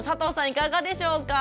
いかがでしょうか？